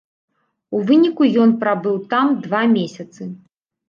У выніку ён прабыў там два месяцы.